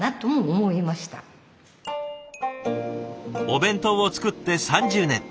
お弁当を作って３０年。